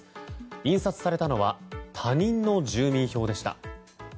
印刷されたのは他人の住民票でした。